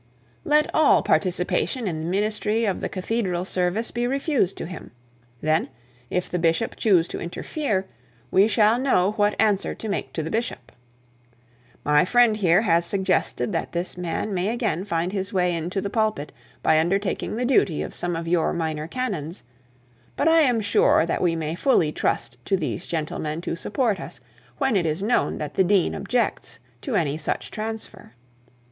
Let all participation in the ministry of the cathedral service be refused to him. Then, if the bishop choose to interfere, we shall know what answer to make to the bishop. My friend here has suggested that this man may again find his way into the pulpit by undertaking the duty of some of your minor canons; but I am sure that we may fully trust to these gentlemen to support us, when it is known that the dean objects to any such transfer.'